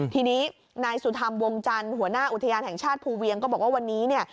ทีนี้นายสุธรรมวงจันทร์หัวหน้าอุทยานแห่งชาติภูเวียงก็บอกว่าวันนี้เนี่ย